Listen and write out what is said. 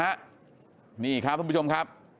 นี่ครับทุกผู้ชมครับ